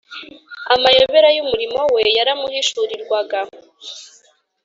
. Amayobera y’umurimo We yaramuhishurirwaga.